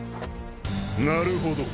なるほど。